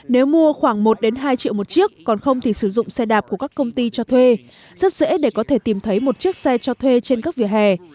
nếu mua khoảng một hai triệu một chiếc còn không thì sử dụng xe đạp của các công ty cho thuê rất dễ để có thể tìm thấy một chiếc xe cho thuê trên các vỉa hè